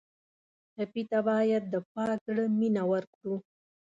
ټپي ته باید د پاک زړه مینه ورکړو.